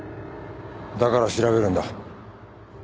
だから調べるんだ。